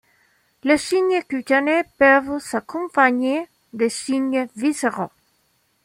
Les signes cutanés peuvent s'accompagner de signes viscéraux.